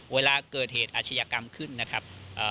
เวลาเกิดเหตุอาชญากรรมขึ้นนะครับ